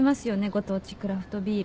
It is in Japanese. ご当地クラフトビール。